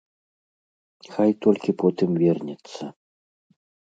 Хай толькі потым вернецца.